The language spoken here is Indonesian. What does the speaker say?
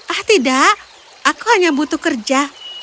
ah tidak aku hanya butuh kerja